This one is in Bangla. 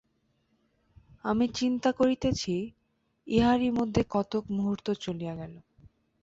আমি চিন্তা করিতেছি, ইহারই মধ্যে কতক মুহূর্ত চলিয়া গেল।